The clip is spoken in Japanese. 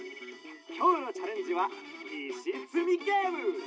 きょうのチャレンジはいしつみゲーム！